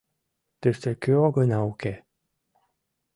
Тыште кӧ гына уке?